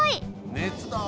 熱だ！